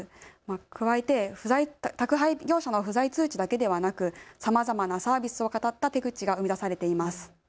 加えて、宅配業者の不在通知だけでなくさまざまなサービスをかたった手口が生み出されています。